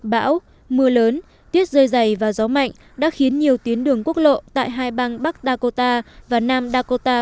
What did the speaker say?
bão mưa lớn tiết rơi dày và gió mạnh đã khiến nhiều tuyến đường quốc lộ tại hai bang bắc dakota và nam dakota